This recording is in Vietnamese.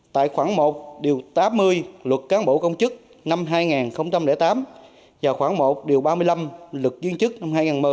tại khoảng một tám mươi luật cán bộ công chức năm hai nghìn tám và khoảng một ba mươi năm luật duyên chức năm hai nghìn một mươi